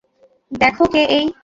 দেখো কে এই।